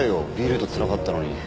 Ｂルートつらかったのに。